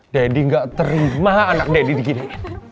dede nggak terima anak dede di gini